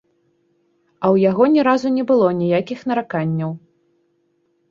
А ў яго ні разу не было ніякіх нараканняў.